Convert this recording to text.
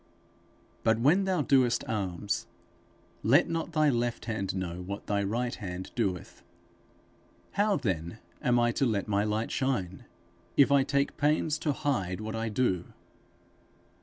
But when thou doest alms, let not thy left hand know what thy right hand doeth. How, then, am I to let my light shine, if I take pains to hide what I do?